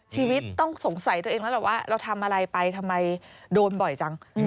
ชีวิตต้องสงสัยตัวเองแล้วแหละว่าเราทำอะไรไปทำไมโดนบ่อยจัง